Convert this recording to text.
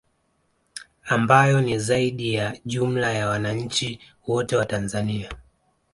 Ambayo ni zaidi ya jumla ya wananchi wote wa Tanzania